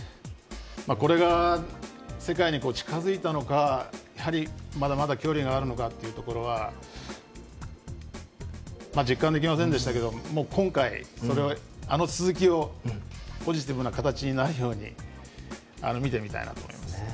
これが世界に近づいたのかやはりまだまだ距離があるのかというところは実感できませんでしたけれども今回、それをあの続きをポジティブな形になるように見てみたいなと思います。